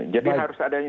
jadi harus adanya